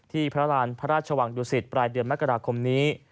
พระราณพระราชวังดุสิตปลายเดือนมกราคมนี้